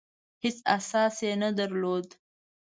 هېڅ اساس یې نه درلود.